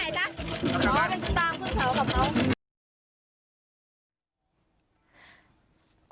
เหรอจะตามขึ้นเขากับเขา